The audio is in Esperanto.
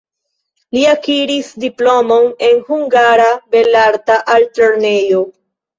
Li akiris diplomon en Hungara Belarta Altlernejo.